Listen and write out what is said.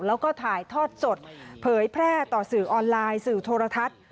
แล้วก็ถ่ายทอดสดเผยแพร่ต่อสื่อออนไลน์สื่อโทรทัศน์